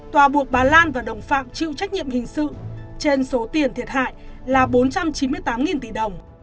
tòa buộc bà lan và đồng phạm chịu trách nhiệm hình sự trên số tiền thiệt hại là bốn trăm chín mươi tám tỷ đồng